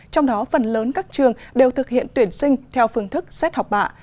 trong đó phần lớn các trường đều thực hiện tuyển sinh theo phương thức xét học bạ